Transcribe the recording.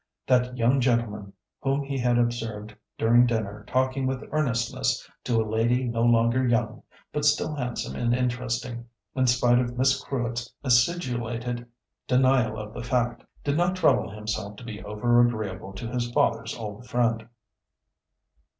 That young gentleman, whom he had observed during dinner talking with earnestness to a lady no longer young, but still handsome and interesting, in spite of Miss Crewitt's acidulated denial of the fact, did not trouble himself to be over agreeable to his father's old friend.